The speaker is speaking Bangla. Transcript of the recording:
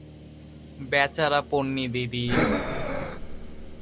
বেচারা পোন্নি দিদি।